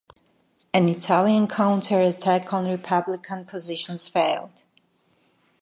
An Italian counterattack on Republican positions failed.